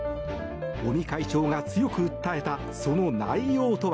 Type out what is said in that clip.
尾身会長が強く訴えたその内容とは。